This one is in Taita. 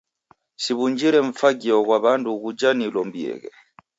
Siw'unjire mfagio ghwa w'andu ghuja nilombieghe.